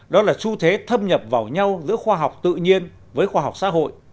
đó là xu thế thâm nhập vào nhau giữa khoa học tự nhiên với khoa học xã hội